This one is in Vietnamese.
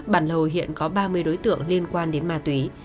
bản lầu hiện có ba mươi đối tượng liên quan đến ma túy